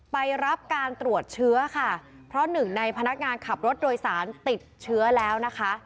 ไปรับการตรวจเชื้อค่ะเพราะหนึ่งในพนักงานขับรถโดยสารติดเชื้อแล้วนะคะ